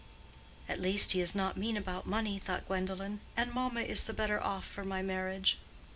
"At least he is not mean about money," thought Gwendolen, "and mamma is the better off for my marriage."